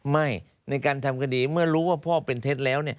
ในการทำคดีเมื่อรู้ว่าพ่อเป็นเท็จแล้ว